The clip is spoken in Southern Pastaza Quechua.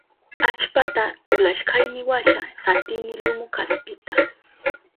Allpata tulashkayniwasha satini lumu kaspita.